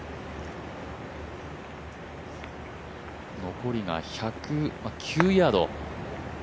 残りが１０９ヤード。